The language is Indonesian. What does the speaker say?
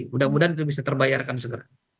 mudah mudahan itu bisa terbayarkan segera